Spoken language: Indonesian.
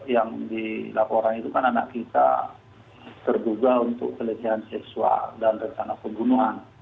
yang dilaporkan itu kan anak kita terduga untuk pelecehan seksual dan rencana pembunuhan